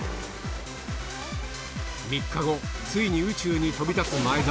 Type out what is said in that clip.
３日後、ついに宇宙に飛び立つ前澤。